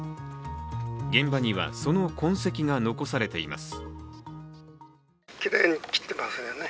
現場には、その痕跡が残されています。